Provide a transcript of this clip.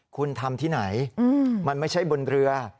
คุณทำที่ไหนมันไม่ใช่บนเรือ